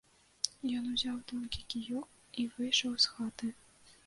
Ён узяў тонкі кіёк і выйшаў з хаты.